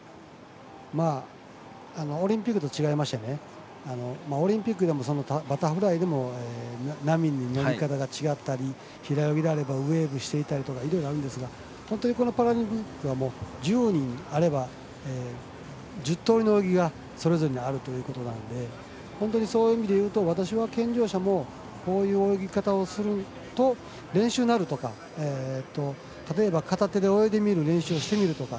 オリンピックと違いましてオリンピックでもバタフライでも波の乗り方が違ったり平泳ぎであればウエーブしていたりといろいろあるんですが本当にこのパラリンピックは１０人いれば１０通りの泳ぎがそれぞれにあるということなのでほんとに、そういう意味で言うと私は健常者もこういう泳ぎ方をすると練習になるとか例えば片手で泳いでみる練習をしてみるとか。